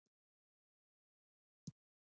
ازادي راډیو د د کار بازار د اغیزو په اړه مقالو لیکلي.